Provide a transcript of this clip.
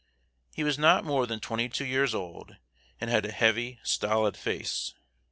He was not more than twenty two years old, and had a heavy, stolid face.